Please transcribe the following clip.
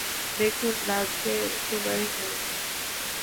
দেখুন, লাঞ্চের সময় হয়ে আসছে।